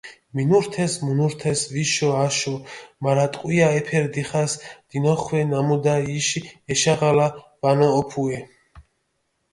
მინურთეს, მონურთეს ვიშო-აშო, მარა ტყვია ეფერი დიხას დინოხვე ნამუდა, იში ეშაღალა ვანოჸოფუე.